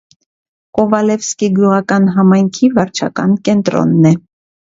Կովալևսկի գյուղական համայնքի վարչական կենտրոնն է։